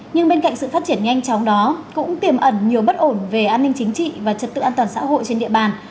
nhưng bên cạnh sự phát triển nhanh chóng đó cũng tiềm ẩn nhiều bất ổn về an ninh chính trị và trật tự an toàn xã hội trên địa bàn